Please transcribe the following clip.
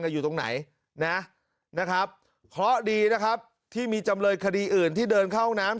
อยู่ตรงไหนนะนะครับเพราะดีนะครับที่มีจำเลยคดีอื่นที่เดินเข้าน้ำ